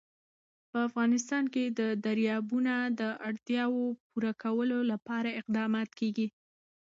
په افغانستان کې د دریابونه د اړتیاوو پوره کولو لپاره اقدامات کېږي.